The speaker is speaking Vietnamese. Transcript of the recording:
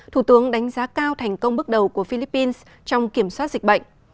thủ tướng đánh giá cao thành công bước đầu của philippines trong kiểm soát dịch bệnh